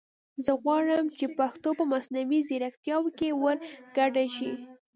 زه غواړم چې پښتو په مصنوعي زیرکتیا کې ور ګډه شي